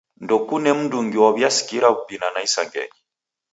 Ndekune mndungi waw'iasikira w'ubinana isangenyi.